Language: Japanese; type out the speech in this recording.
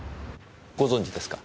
ご存じですか？